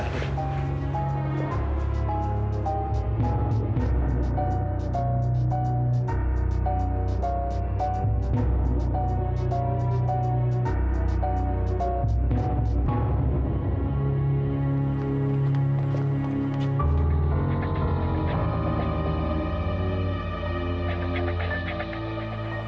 kamu tunggu parker